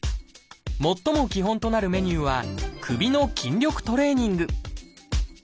最も基本となるメニューは「首の筋力トレーニング」。